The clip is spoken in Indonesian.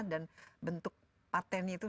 dan bentuk patent itu